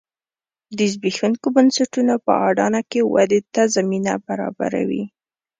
د زبېښونکو بنسټونو په اډانه کې ودې ته زمینه برابروي